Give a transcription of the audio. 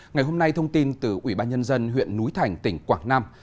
ngày hôm nay thông tin từ ủy ban nhân dân huyện núi thành tỉnh quảng nam